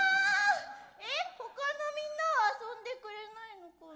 えっほかのみんなは遊んでくれないのかな？